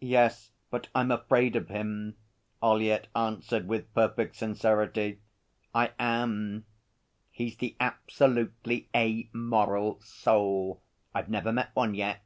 'Yes, but I'm afraid of him,' Ollyett answered with perfect sincerity. 'I am. He's the Absolutely Amoral Soul. I've never met one yet.'